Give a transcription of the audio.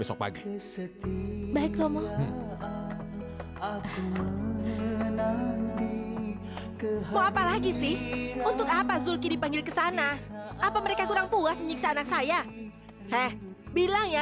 sampai jumpa di video selanjutnya